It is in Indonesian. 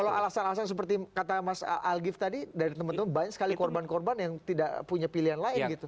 kalau alasan alasan seperti kata mas algif tadi dari teman teman banyak sekali korban korban yang tidak punya pilihan lain gitu